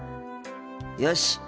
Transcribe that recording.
よし。